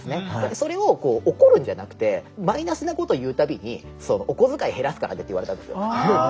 それをこう怒るんじゃなくて「マイナスなこと言う度にお小遣い減らすからね」って言われたんですよ。